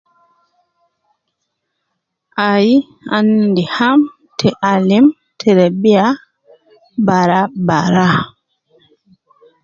Ayi ana endi ham te alim terebiya baraa baraa